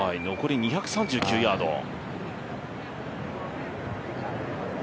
残り２３９ヤード。